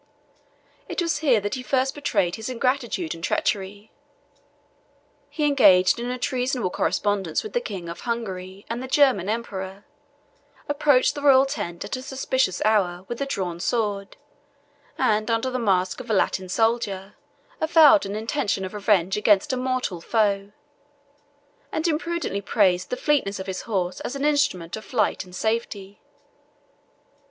It was here that he first betrayed his ingratitude and treachery: he engaged in a treasonable correspondence with the king of Hungary and the German emperor; approached the royal tent at a suspicious hour with a drawn sword, and under the mask of a Latin soldier, avowed an intention of revenge against a mortal foe; and imprudently praised the fleetness of his horse as an instrument of flight and safety.